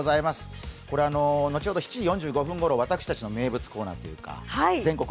後ほど７時４５分ごろ、私たちの名物コーナーというか、「全国！